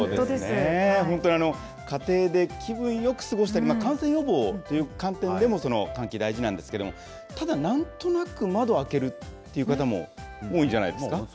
本当に、家庭で気分よく過ごしたり、感染予防という観点でもその換気、大事なんですけれども、ただなんとなく窓を開けるという方も、多いんじゃないですか？